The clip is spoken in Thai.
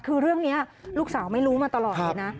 คือเรื่องนี้ลูกสาวไม่รู้มาตลอดเลยนะ